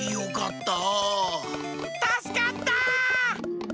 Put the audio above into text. たすかった！